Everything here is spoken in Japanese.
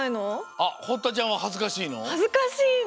あっ堀田ちゃんははずかしいの？